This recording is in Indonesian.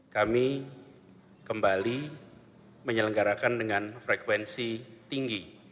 kami kembali menyelenggarakan dengan frekuensi tinggi